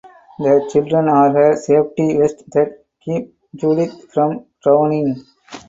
The children are her safety vest that keep Judith from drowning.